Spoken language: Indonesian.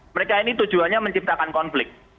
mereka ini tujuannya menciptakan konflik